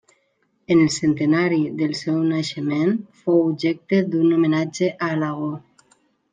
En el centenari del seu naixement fou objecte d'un homenatge a Alagó.